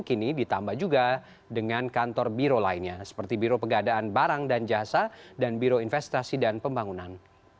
kini ditambah juga dengan kantor biro lainnya seperti biro pengadaan barang dan jasa dan biro investasi dan pembangunan